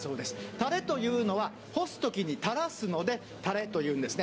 たれというのは、干すときに垂らすので、たれというんですね。